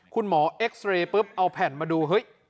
คุณหมอเอ็กซ์เรย์ปุ๊บเอาแผ่นมาดู